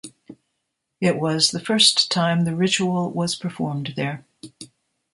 It was the first time the ritual was performed there.